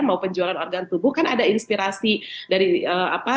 mau penjualan organ tubuh kan ada inspirasi dari apa